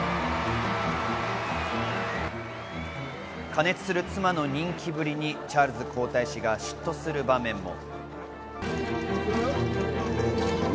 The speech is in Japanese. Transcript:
加熱する妻の人気ぶりにチャールズ皇太子が嫉妬する場面も。